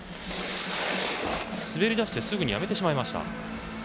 滑りだしてすぐにやめてしまいました。